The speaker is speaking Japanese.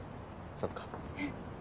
そっか。